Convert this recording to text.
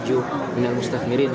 saya ingin memperbaiki lebih banyak